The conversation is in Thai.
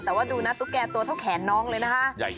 แต่ว่าดูนะตุ๊กแก่ตัวเท่าแขนน้องเลยนะคะ